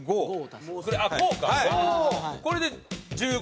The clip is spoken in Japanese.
これで１５？